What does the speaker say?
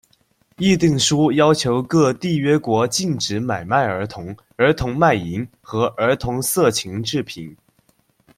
议定书要求各缔约国禁止买卖儿童、儿童卖淫和儿童色情制品。